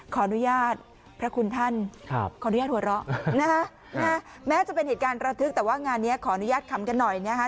ขออนุญาตพระคุณท่านขออนุญาตหัวเราะนะฮะแม้จะเป็นเหตุการณ์ระทึกแต่ว่างานนี้ขออนุญาตขำกันหน่อยนะคะ